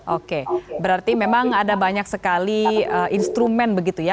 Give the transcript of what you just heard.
oke berarti memang ada banyak sekali instrumen begitu ya